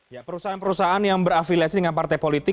ya perusahaan perusahaan yang berafiliasi dengan partai politik